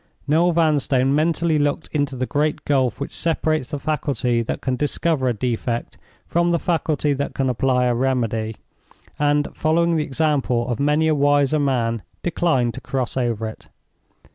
Noel Vanstone mentally looked into the great gulf which separates the faculty that can discover a defect, from the faculty that can apply a remedy, and, following the example of many a wiser man, declined to cross over it.